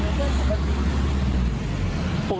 แล้วเขาไม่เคช่าแสงหนู